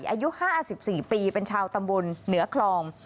ปวดอยู่๕อาจ๑๔ปีเป็นชาวตำบลเหนือคลอง